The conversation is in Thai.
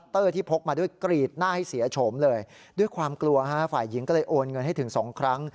ตัวฝ่ายหญิงก็เลยโอนเงินให้ถึง๒ครั้ง